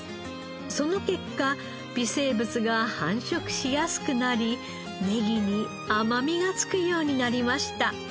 その結果微生物が繁殖しやすくなりネギに甘みがつくようになりました。